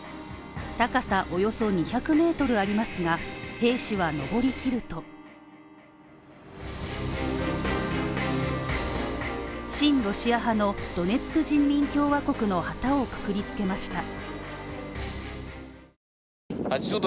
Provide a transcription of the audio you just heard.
高さおよそ２００ｍありますが、兵士は上り切ると親ロシア派のドネツク人民共和国の旗をくくりつけました。